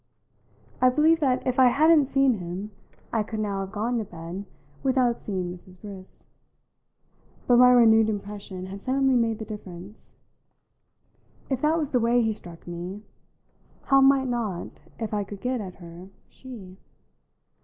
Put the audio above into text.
I believed that if I hadn't seen him I could now have gone to bed without seeing Mrs. Briss; but my renewed impression had suddenly made the difference. If that was the way he struck me, how might not, if I could get at her, she?